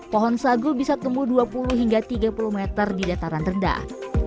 pohon sagu bisa tumbuh dua puluh hingga tiga puluh meter di dataran rendah